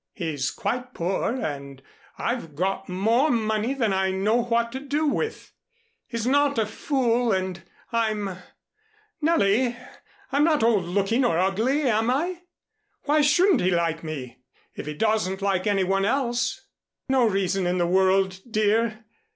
He's quite poor and I've got more money than I know what to do with. He's not a fool, and I'm Nellie, I'm not old looking or ugly, am I? Why shouldn't he like me, if he doesn't like any one else?" "No reason in the world, dear.